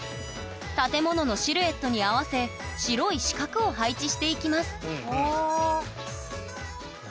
建物のシルエットに合わせ白い四角を配置していきます